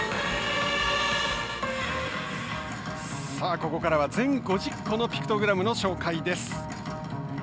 ここからは、全５０個のピクトグラムの紹介です。